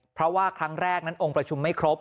เพราะว่าครั้งแรกนั้นองค์ประชุมไม่ครบ